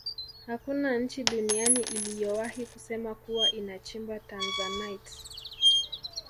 hakuna nchi duniani iliyowahi kusema kuwa inachimba tanzanite